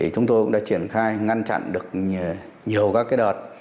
chúng tôi cũng đã triển khai ngăn chặn được nhiều các đợt